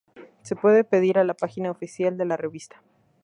Se puede pedir a la página oficial de la revista.